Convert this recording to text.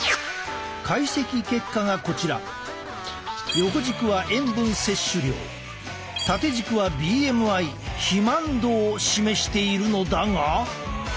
横軸は塩分摂取量縦軸はＢＭＩ肥満度を示しているのだが。